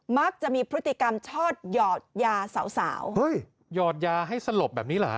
มักจะมีพฤติกรรมชอบหยอดยาสาวสาวเฮ้ยหยอดยาให้สลบแบบนี้เหรอ